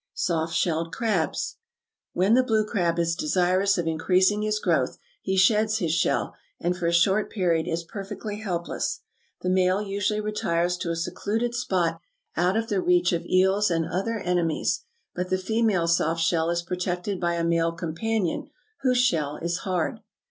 =Soft shell Crabs.= When the blue crab is desirous of increasing his growth, he sheds his shell, and for a short period is perfectly helpless. The male usually retires to a secluded spot out of the reach of eels and other enemies, but the female soft shell is protected by a male companion whose shell is hard.